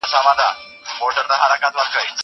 زه پرون کتابونه لولم وم!